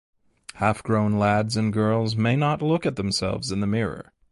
Half-grown lads and girls may not look at themselves in the mirror.